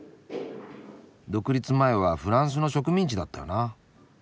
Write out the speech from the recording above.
独立前はフランスの植民地だったよな。